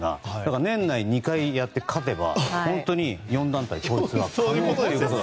年内に２回やって勝てば本当に４団体統一もあり得ると。